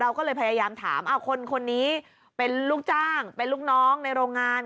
ก็เลยพยายามถามคนนี้เป็นลูกจ้างเป็นลูกน้องในโรงงาน